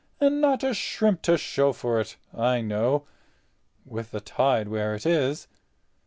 And not a shrimp to show for it, I know, with the tide where it is.